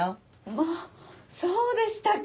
まぁそうでしたか！